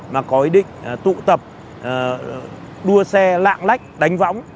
mà có ý định tụ tập đua xe lạng lách đánh võng